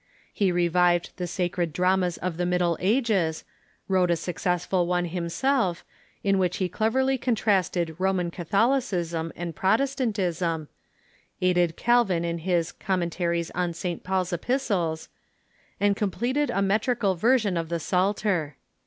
He revived the sacred dramas of the Middle Ages, wrote a suc cessful one himself, in which he cleverly contrasted Roman Catholicism and Protestantism, aided Calvin in his "Commen taries on St. Paul's Epistles," and completed a metrical version of the Psalter.